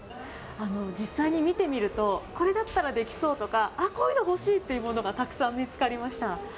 実際に見てみると、これだったらできそうとか、あっ、こういうの欲しいっていうものがたくさん見つかりました。